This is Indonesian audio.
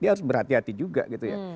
dia harus berhati hati juga gitu ya